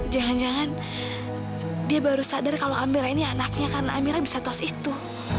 jangan jangan dia baru sadar kalau amira ini anaknya karena amira bisa tos itu